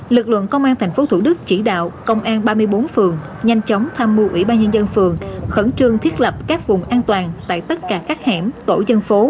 lực lượng công an tp thủ đức chỉ đạo công an ba mươi bốn phường nhanh chóng tham mưu ủy ban nhân dân phường khẩn trương thiết lập các vùng an toàn tại tất cả các hẻm tổ dân phố